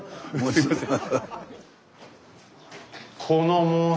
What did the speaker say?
すいません。